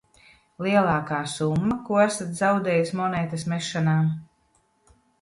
Lielākā summa, ko esat zaudējis monētas mešanā?